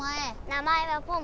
名前はポン。